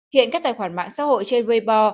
hiện các tài khoản mạng xã hội trên weibo